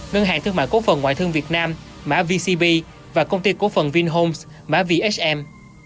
ngân hàng thương mại cố phần ngoại thương việt nam mã vcb và công ty cố phần vinhomes mã vhm